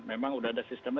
memang sudah ada sistemnya